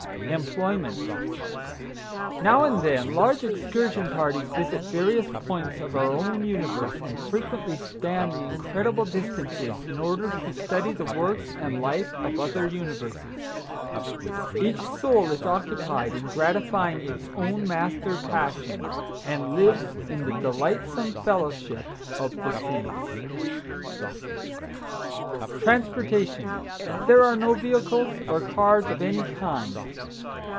EMPLOYMENT. Now and then large excursion parties visit various points of our own universe and frequently span the incredible distances in order to study the works and life of other universes. Each soul is occupied in gratifying its own master passion, and lives in the delightsome fellowship of the saints. TRANSPORTATION. There are no vehicles or cars of any kind.